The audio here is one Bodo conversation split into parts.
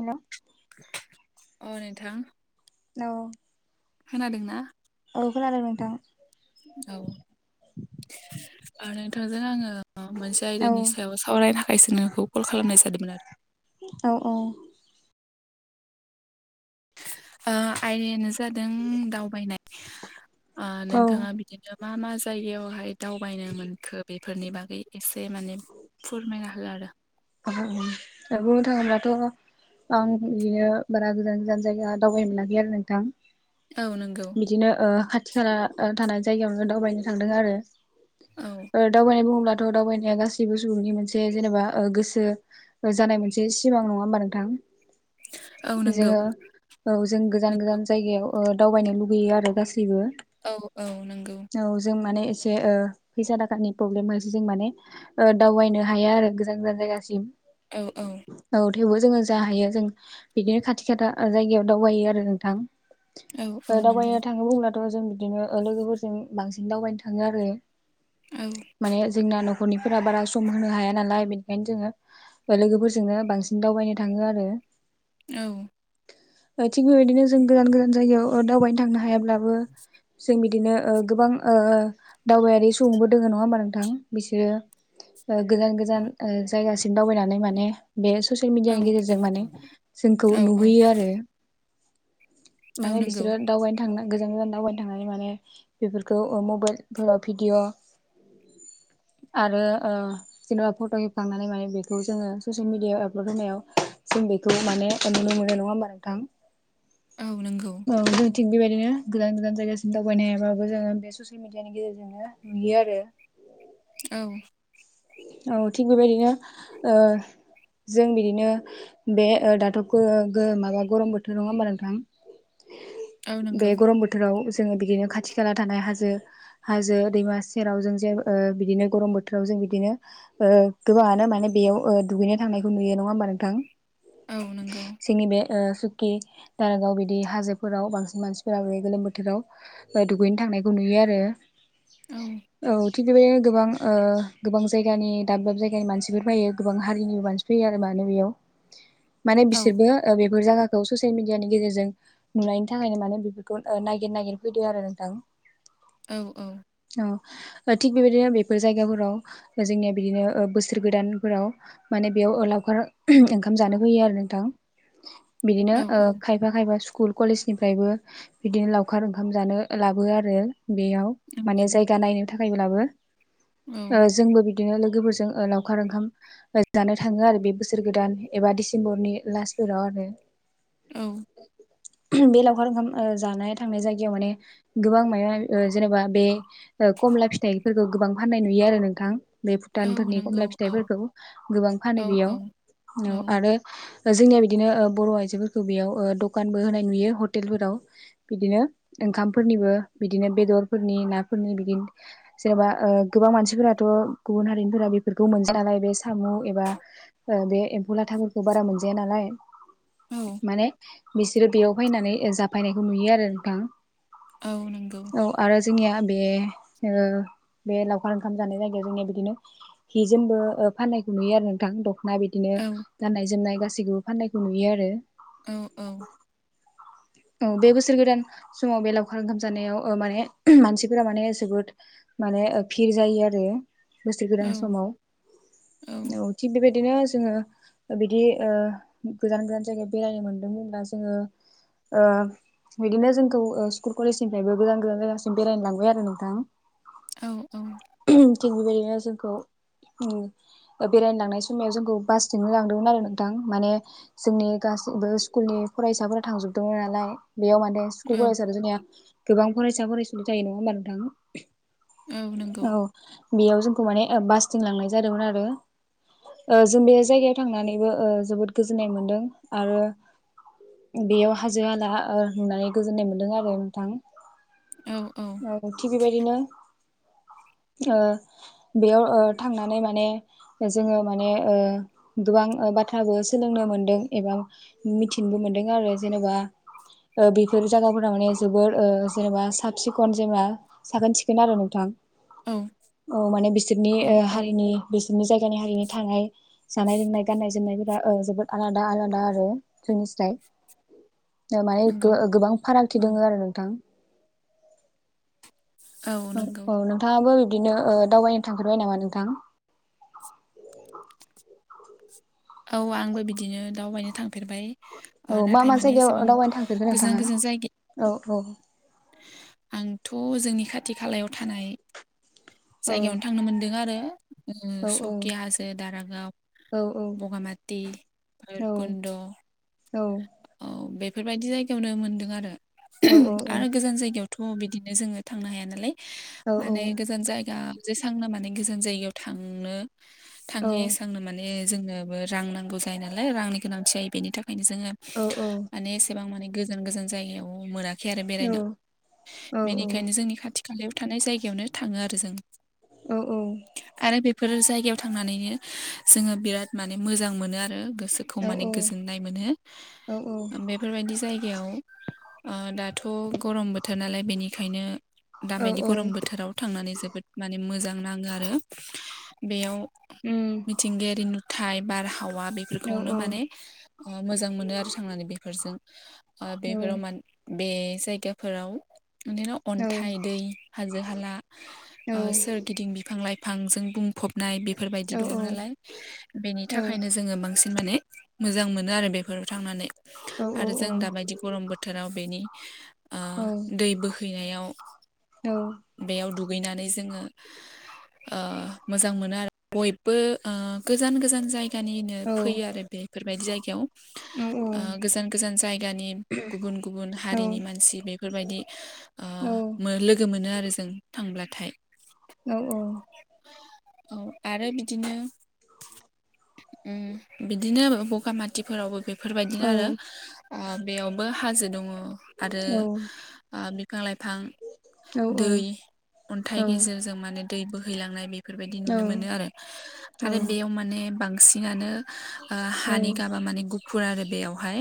हेलौ अ नोंथां हेलौ। खोनादोंना? औ खोनादों नोंथां। औ ओ नोंथांजों आङो ओ मोनसे औ आयदानि सायाव सावरायना [unintelligible] कल खालामनाय जादोंमोन आरो। औ औ। ओ आयदायानो जादों दावबायनाय ओ औ नोंथाङा बिदिनो मा मा जायगायावहाय दावबायनो मोनखो बेफोरनि बागै एसे माने फुरमायना हो आरो। [unintelligible] दा बुंनो थाङोब्लाथ' आं बिनो बारा गोजान गोजान जायगा दावबायनो मोनाखै आरो नोंथां। औ नोंगौ। बिदिनो ओ खाथि खाला थानाय जायगायावनो दावबायनो थांदों आरो। औ ओ दावबायनाय बुङोब्लाथ' दावबायनाया गासैबो सुबुंनि मोनसे जेनेबा ओ गोसो ओ जानाय मोनसे सिमां नङा होमबा नोंथां? औ नंगौ जोङो औ जों गोजान नंगौ गोजान जायगायाव ओ दावबायनो लुुबैयो आरो गासैबो। औ औ नोंगौ। औ जों माने एसे ओ फैसा थाखानि प्रब्लेम खायसो जों माने ओ दावबायनो हाया आरो गोजान गोजान जायगासिम। औ औ। औ थेवबो जोङो जा हैयो जों बिदिनो खाथि खाथा जायगायाव दावबायो आरो नोंथां। औ औ ओ नंगौ दावबायनो थाङो बुंब्लाथ' जों बिदिनो ओ लोगोफोरजों बांसिन दावबायनो थाङो आरो। ओं माने जोंना न'खरनिफोरा बारा सम होनो हाया नालाय बेनिखायनो जोङो ओ लोगोफोरजोंनो बांसिन दावबायनो थाङो आरो। औ ओ थिग बेबायदिनो जों गोजान गोजान जायगायाव ओ दावबायनो थांनो हायाब्लाबो जों बिदिनो ओ गोबां ओ दावबायारि सुबुंबो दोङो नङा होमबा नोंथां बिसोरो ओ गोजान गोजान ओ जायगासि दावबायनानै माने बे ससियेल औ मिडियानि गेजेरजों माने जोंखौ औ नुहोयो आरो। औ माने नंगौ बिसोरो दावबायनो थांनो गोजान गोजान दावबायनो थांनानै माने बेफोरखौ ओ मबाइलफोराव भिडिअ आरो जेनेबा फट' खेबखांनानै माने बे बेखौ जोङो ससियेल मिडियायाव आपलड होनायाव जों बेखौ माने नुनो मोनो। नङा होमबा नोंथां? औ नंगौ। जोंथिं बेबायदिनो गोजान गोजान जायगासिम दावबायनो हायाबो जोङो बे ससियेल मिडियानि गेजेरजोंनो नुयो आरो। औ। औ। थिग बेबायदिनो जों बिदिनो बे दाथ' माबा गरम बोथोर नङा होमबा नोंथां? [inaudible] बे गरम बोथोराव जोङो बिदिनो खाथि खाला थानाय हाजो हाजो दैमा सेराव जों जे बिदिनो गरम बोथोराव जों बि बिदिनो गोबाङानो माने बेयाव दुगैनाय थांनायखौ नुयो। नङा होमबा नोंथां? औ नंगौ जोंनि बे सखि दारागाव बिदि हाजोफोराव बांसिन मानसिफोरा बे गोलोम बोथोराव दुगैनो थांनायखौ नुयो आरो। औ। औ थिग बेबायदिनो गोबां गोबां जायगानि दाब दाब जायगानि मानसिफोर फैयो, गोबां हारिनिबो मानसि फैयो आरो माने बेयाव। माने औ बिसोरबो बेफोर जायगाखौ ससियेल मिडियानि गेजेरजों नुनायनि थाखायनो माने बेफोरखौ नागिर नागिर फैदों आरो नोंथां। औ औ। औ। थिग बेबायदिनो बेफोर जायगाफोराव जोंनिया बिदिनो बोसोर गोदानफोराव माने बेयाव लावखार ओंखाम जानो फैयो आरो नोंथां। बिदिनो औ खाय खायफा खायफा स्कुल कलेज निफ्रायबो बिदिनो लावखार ओंखाम जानो लाबोयो आरो बेयाव। माने नंगौ जायगा नायनो थाखायब्लाबो औ जोंबो बिदिनो लोगोफोरजों लावखार ओंखाम जानो थाङो आरो बे बोसोर गोदान एबा डिसेम्बरनि लास फोराव आरो। औ। बे लावखार ओंखाम जानाय थांनाय जायगायाव माने गोबां जेनेबा बे कमला फिथाइफोरखौ गोबां फाननाय नुयो आरो नोंथां। बे औ भुटानफोरनि नंगौ खमला औ फिथाइफोरखौ गोबां औ फानो औ बेयाव। औ। आरो जोंनिया बिदिनो बर' आइजोफोरखौ बेयाव दखानबो होनाय नुयो हटेलफोराव। बिदिनो ओंखामफोरनिबो बिदिनो बेदरफोरनि नाफोरनि बिदिनो जेनेबा गोबां मानसिफोराथ' गुबुन हारिनिफोरा बेफोरखौ मोनजाया नालाय, बे साम' एबा बे एम्फौ लाथाफोरखौ बारा मोनजाया नालाय औ माने बिसोरो बेयाव फैनानै जाफैनायखौ नुयो आरो नोंथां। औ नोंगौ। औ आरो जोंनिया बे ओ बे लाव ओंखाम जानाय जायगायाव जोंनिया बिदिनो, बिजोंबो फानायखौ नुयो आरो नोंथां। दख'ना बिदिनो औ गानाय जोमनाय गासैखौबो फान्नायखौ नुयो आरो। औ औ। औ बे बोसोर गोदान समाव बे लावखार ओंखाम जानायाव माने मानसिफोरा माने जोबोद माने भिर जायो आरो। बोसोर औ गोदान समाव। थिग बेबायदिनो जोंङो बिदि गोजान गोजान जायगायाव बेरायनो मोनदोंहोनोब्ला जोंङो बिदिनो जोंखौ स्कुल कलेजनिफ्रायबो गोजान गोजान जायगासिम बेरायनो लांबाय आरो नोंथां। औ थिग बेबायदिनो जोंखौ बेरायनो लांनाय सम। आव जोंखौ बासजोंनो लांदोंमोन आरो नोंथां माने। जोंनि गासैबो स्कुलनि फरायसाफोरा थांजोब नालाय बेयाव माने सु औ [unintelligible] गोबां फरायसा फरायसुलि जायो नङा होमबा नोंथाङो। औ नंगौ। बेयाव जोंखौ माने बासथिं लांनाय जादोंमोन आरो। जों बे जायगायाव थांनानैबो जोबोद गोजोननाय मोनदों आरो। बेयाव हाजो आला होनानै गोजोननाय मोनदों आरो नोंथां। औ औ। थिग बेबायदिनो बेयाव थांनानै माने। जोंङो माने गोबां बाथ्राबो सोलोंनो मोनदों एबा। मिथिनोबो मोनदों आरो जेनेबा। बेफोर जायगाफोरा माने जोबोर जेनेबा साब सिखन जेनेबा। साखोन सिखोन आरो नोंथां। औ माने बिसोरनि हारिनि बिसोरनि जायगानि हारिनि थांनाय। जानाय लोंनाय गाननाय जोमनायफोरा जोबोद आलादा आलादा आरो जोंनिसाय। माने नंगौ गोबां फारागथि दङ औ आरो नोंथां। औ औ नोंथांङाबो बिदिनो दावबायनो थांफेरबाय नामा नोंथां। औ आंबो बिदिनो दावबायनो थांफेरबाय। औ मा नाथाय मा माने जायगायाव एसेबां दावबायनो थांफेरखो गोजान नोंथाङा गोजान जायगायाव। औ औ। आंथ' जोंनि खाथि खालायाव थानाय औ जायगायावनो थांनो मोनदों आरो औ सकि हाजो दारागाव औ बगामाटि औ भैरबखुन्द' औ औ बेफोरबायदि जायगायावनो मोनदों आरो औ औ आरो गोजान जायगायाव' थ' बिदिनो जोङो थांनो हाया नालाय माने गोजान जायगा जेसांनो माने गोजान जायगायाव थांनो थाङो एसांनो माने जोंनो रां नांगौ जायो नालाय रांनि गोनांथि जायो बेनि थाखायनो जोङो औ औ माने एसेबां माने गोजान गोजान जायगायाव मोनाखै आरो बेरायनो बेनिखायनो जोंनि खाथि खालायाव थानाय जायगायावनो थाङो आरो जों औ औ आरो बेफोर जायगायाव थांनानैनो जोङो बिराद माने मोजां मोनो आरो गोसोखौ खौ माने गोजोननाय मोनो औ औ बेफोरबायदि जायगायाव दाथ' गरम बोथोर नालाय बेनिखायनो दाबायदि गरम बोथोराव थांनानै जोबोद माने मोजां नाङो आरो बेयाव उम मिथिंगायारि नुथाय बारहावा औ बेफोरखौनो औ माने ओ मोजां मोनो आरो थांनानै बेफोरजों औ बेफोराव माने बे जायगाफोराव उन्दैनाव अन्थाइ नंगौ दै हाजो हाला सोरगिदिं बिफां लाइफांजों बुंफब नाय बेफोरबायदि औ दङ नालाय बेनि थाखायनो जोङो बांसिन माने मोजां मोनो आरो बेफोराव थांनानै आरो औ जों दाबायदि गरम बोथोराव बेनि दै बोहैनायाव औ बेयाव दुगैनानै जोङो मोजां मोनो आरो बयबो गोजान गोजान जायो जायगानिनो फैयो आरो बेफोरबायदि जायगायाव गोजान गोजान जायगानि गुबुन गुबुन हारिनि मानसि बेफोरबायदि ओ औ मो लोगो मोनो आरो जों थांब्लाथाय औ, औ औ आरो बिदिनो उम बिदिनो बगामाथिफोरावबो बे बेफोरबायदिनो आरो बेयावबो हाजो दङ आरो बिफां -लाइफां दै, अन्थाइ गेजेरजों माने दै बोहैलांनाय बे बेफोरबायदि नुनो मोनो आरो। आरो बेयाव माने बांसिनानो हानि गाबा माने गुफुर आरो बेवहाय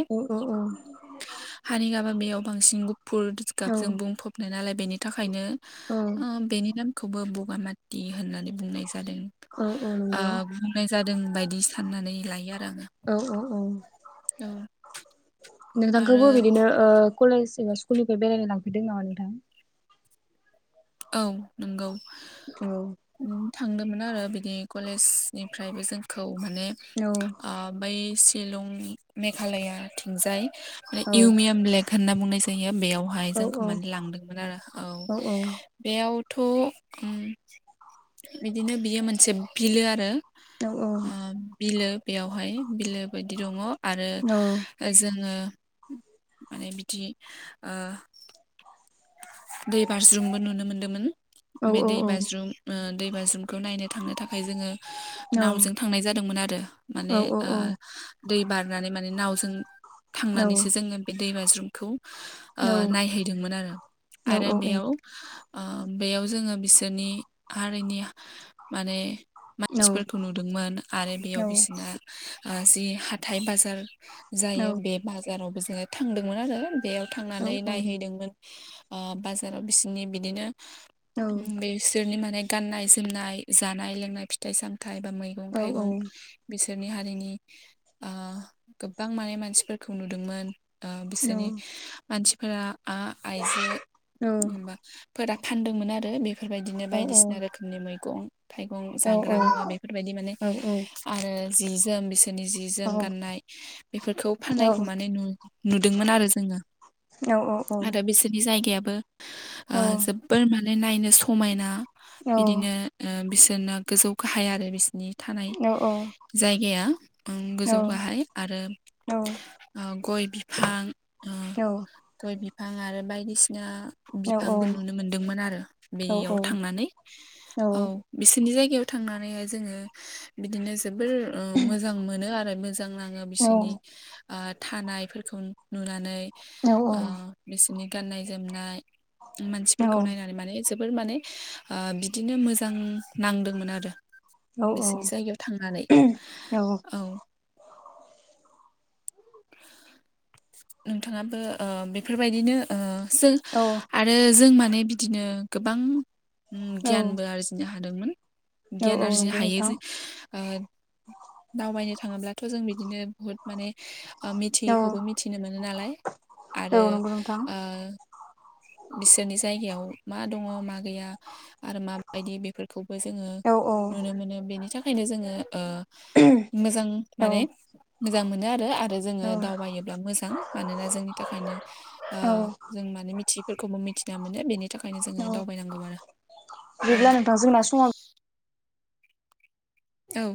हानि गाबा बेयाव बांसिन गुफुर गाबजों बुंफबनाय नालाय बेनि थाखायनो बेनि नामखौबो बगामाथि होननानै बुंनाय जादों। ओ बुंनाय जादों बायदि साननानै लायो। औ [unintelligible] आरो नोंथांखौबो बिदिनो कलेज एबा स्कुलनिफ्राय बेरायनो लांफेरदों नामा नोंथां? औ नंगौ औ थांदोंमोन आरो बिदि कलेजनिफ्रायबो जोंखौ माने औ ओ बै सिलं मेघालया थिंजाय बे औ इउमियाम ब्लेक होनना बुंनाय जायो। बेवहाय औ औ जोंखौ माने लांदोंमोन आरो। औ बेयावथ' बिदिनो बियो मोनसे बिलो आरो दा औ ओ बिलो बेयावहाय बिलो बायदि दङ आरो औ जोङो माने बिदि ओ दै बाज्रुमबो नुनो मोनदोंमोन। औ बे दै बाज्रुम ओ दैबाज्रुमखौ नायनो थांनो थाखाय जोङो नावजों औ थांनाय जादोंमोन आरो माने‌ ओ दै बारनानै माने नावजों थांनानैसो जोङो बे दै बाज्रुमखौ नायहैदोंमोन आरो। औ आरो औ औ बेयाव ओ बेयाव जोङो बिसोरनि हारिनि माने बिदिब्ला मानसिफोरखौ नुदोंमोन। आरो बेयाव बिसना ओ जि हाथाइ -बाजार जायो बे बाजारावबो। जोंयो थांदोंमोन आरो बेयाव थांनानै नायहैदोंमोन ओ बाजाराव बिसिनि बिदिनो बे बिसोरनि माने गाननाय- जोमनाय जानाय-लोंनाय फिथाइ- सामथाइ बा मैगं -थाइगं बिसोरनि हारिनि ओ गोबां माने मानसिफोरखौ नुदोंमोन। ओ बिसोरनि मानसिफोरा आ -आइजो एबा मानसिफोरा फानदोंमोन आरो बेफोरबायदिनो बायदिसिना रोखोमनि मैगं मैइगं जाग्रा मुवा बेफोरबायदि माने आरो जि- जोम बिसोर जोंनि जि -जोम गान्नाय बेफोरखौ फाननायखौ माने नुदोंमोन आरो जोङो। औ औ औ बि जायगायाबो ओ जोबोर माने नायनो समायना बिदिनो ओ बिसोरना गोजौ गाहाय आरो बिसिनि थानाय जायगाया गोजौ गाहाय आरो गय बिफां ओ गय बिफां आरो बायदिसिना बिफांबो नुनो मोनदोंमोन आरो बेयाव थांनानै। औ बिसोरनि जायगायाव थांनानैहाय जोङो बिदिनो जोबोर ओ मोजां मोनो आरो मोजां माने बिसोरनि ओ थानायफोरखौ नुनानै ओ बिसोरनि गाननाय- जोमनाय मानसिफोरखौ नायनानै माने जोबोर माने ओ बिदिनो मोजां नांदोंमोन आरो। बिसिनि जायगायाव थांनानै औ नोंथाङाबो ओ बेफोरबायदिनो ओ सो औ। आरो जों माने बिदिनो गोबां गियानबो आरजिनो हादोंमोन। नोंथां गियान आरजिनो हायो जि ओ दावबायनो थाङोब्लाथ' जों बिदिनो बुहुत माने मिथियैखौबो मिथिनो मोनो नालाय आरो ओ बिसोरनि जायगायाव मा दङ मा गैया आरो मा बायदि बेफोरखौबो जोङो नुनो मोनो बेनि थाखायनो जोङो ओ मोजां माने मोजां मोनो आरो आरो जोङो दावबायोब्ला मोजां मानोना जोंनि थाखायनो ओ जों माने मिथि बेखौबो मिथिना मोनो बेनि थाखायनो जोङो दावबायनांगौ आरो औ। जोंना समा औ।